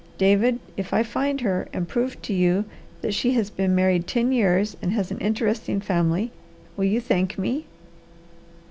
David, if I find her, and prove to you that she has been married ten years and has an interesting family, will you thank me?"